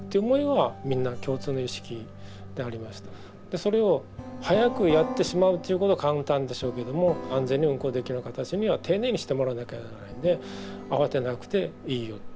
それを早くやってしまうということは簡単でしょうけども安全に運行できるような形には丁寧にしてもらわなきゃならないんで「慌てなくていいよ。